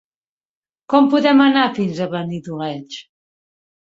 Com podem anar fins a Benidoleig?